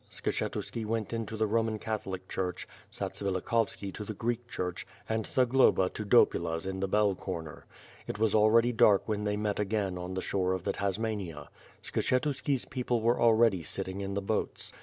Skshetuski went into the Roman Catholic church; Zatsvilikhovski to the Greek church, and Zagloba to Dopula's in the Bell corner. It was already dark when they met again on the shore of the Tasmania. Skshetuski's people were already sitting in the boats.